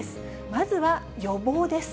まずは予防です。